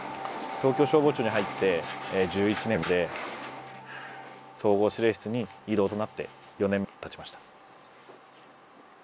東京消防庁に入って１１年で総合指令室に異動となって４年たちました。